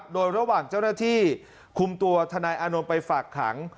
โดยระหว่างเจ้าหน้าที่คุมตัวทนายอานนท์ไปฝากขัง